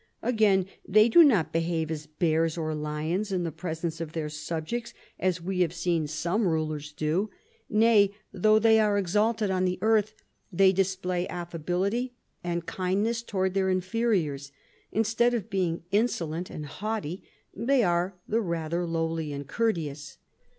" Again, they do not behave as bears or lions in the presence of their subjects, as we have seen some rulers vii LAST YEARS 217 do. Nay, though they are exalted on the earth, they display affability and kindness towards their inferiors ; instead of being insolent and haughty, they are the rather lowly and courteous.